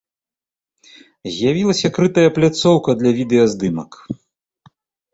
З'явілася крытая пляцоўка для відэаздымак.